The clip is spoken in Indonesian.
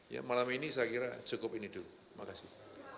ya malam ini saya kira cukup ini dulu terima kasih